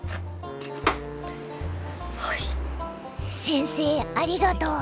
先生ありがとう。